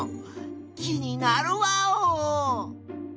気になるワオ！